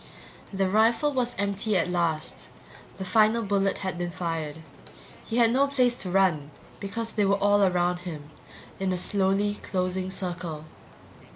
The rifle was empty at last, the final bullet had been fired. He had no place to run because they were all around him, in a slowly closing circle.